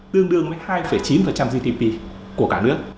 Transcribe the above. tương đương với hai chín gdp của cả nước